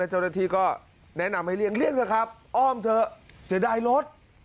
ในเจ้าหน้าที่ก็แนะนำให้เลี่ยงเลี่ยงเถอะครับอ้อมเถอะจะได้รถ